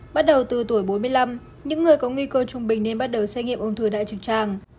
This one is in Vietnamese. bắt đầu từ tuổi bốn mươi năm những người có nguy cơ trung bình nên bắt đầu xét nghiệm ung thư đại trực tràng